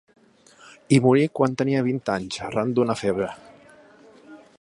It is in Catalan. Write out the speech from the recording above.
Hi morí quan tenia vint anys, arran d'una febre.